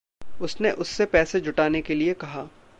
उसने उससे पैसे जुटाने के लिए कहा।